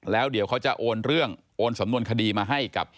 แล้วเดี๋ยวเขาจะโอนเรื่องโอนสำนวนคดีมาให้กับ